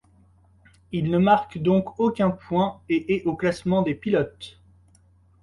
Il ne marque donc aucun point et est au classement des pilotes.